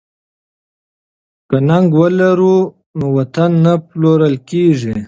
که ننګ ولرو نو وطن نه پلورل کیږي.